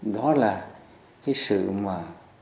đó là cái sự mà